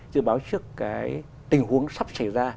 dự báo trước tình huống sắp xảy ra